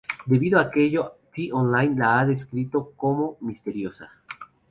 Debido a aquello T-Online la ha descrito como "misteriosa".